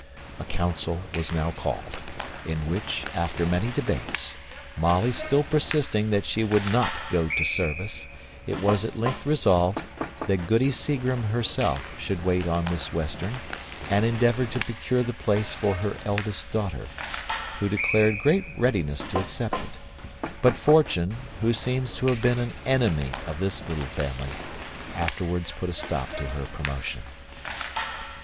A council was now called, in which, after many debates, Molly still persisting that she would not go to service, it was at length resolved, that Goody Seagrim herself should wait on Miss Western, and endeavour to procure the place for her eldest daughter, who declared great readiness to accept it: but Fortune, who seems to have been an enemy of this little family, afterwards put a stop to her promotion.